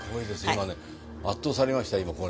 今ね圧倒されました今。